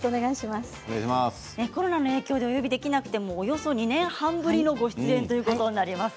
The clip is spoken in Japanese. コロナの影響でお呼びできなくておよそ２年半ぶりのご出演ということになります。